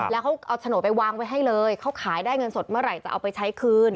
แล้วเขาเอาโฉนดไปวางไว้ให้เลยเขาขายได้เงินสดเมื่อไหร่จะเอาไปใช้คืน